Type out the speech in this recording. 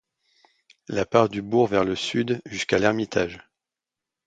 La part du bourg vers le sud jusqu’à L'Hermitage.